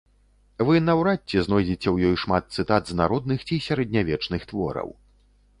Вы наўрад ці знойдзеце ў ёй шмат цытат з народных ці сярэднявечных твораў.